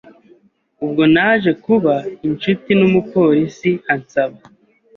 ubwo naje kuba inshuti n’umupolisi ansaba